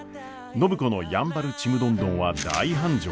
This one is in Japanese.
暢子のやんばるちむどんどんは大繁盛。